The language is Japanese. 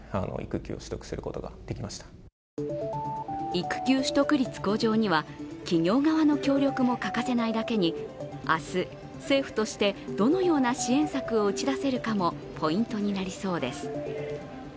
育休取得率向上には企業側の協力も欠かせないだけに明日、政府としてどのような支援策を打ち出せるかもポイントになりそうです。